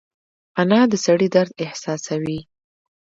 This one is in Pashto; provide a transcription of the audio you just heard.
انا د سړي درد احساسوي